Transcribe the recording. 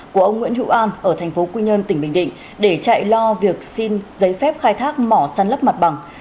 của ông nguyễn hữu an ở thành phố quy nhơn tỉnh bình định để chạy lo việc xin giấy phép khai thác mỏ săn lấp mặt bằng